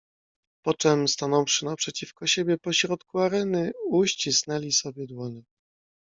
"Poczem, stanąwszy naprzeciwko siebie po środku areny, uścisnęli sobie dłonie."